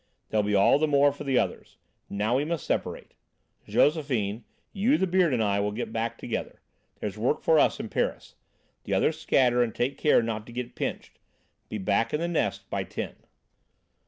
There'll be all the more for the others. Now, we must separate. Josephine, you, the Beard and I will get back together. There's work for us in Paris. The others scatter and take care not to get pinched; be back in the nest by ten."